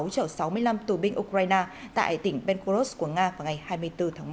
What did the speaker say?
chở sáu mươi năm tù binh ukraine tại tỉnh benkoros của nga vào ngày hai mươi bốn tháng một